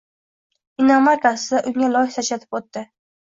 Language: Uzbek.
“inomarka”sida unga loy sachratib o’tdi